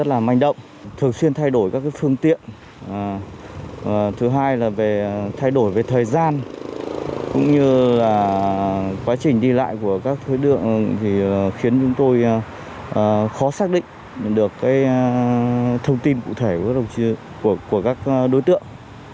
thay đổi về thời gian cũng như là quá trình đi lại của các thối đường thì khiến chúng tôi khó xác định được cái thông tin cụ thể của các đối tượng